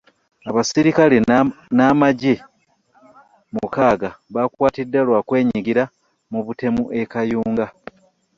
Abasirikale n'amagye mukaaga bakwatiddwa lwa kwenyigira mu butemu e Kayunga